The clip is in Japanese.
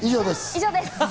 以上です。